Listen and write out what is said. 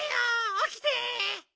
おきて！